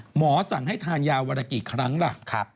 หมอสั่งให้ทานยาวันละกี่ครั้งล่ะ